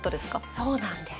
そうなんです。